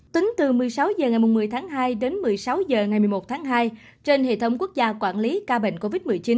tính từ một mươi sáu h ngày một mươi tháng hai đến một mươi sáu h ngày một mươi một tháng hai trên hệ thống quốc gia quản lý ca bệnh covid một mươi chín